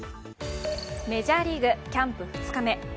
メジャーリーグ、キャンプ２日目。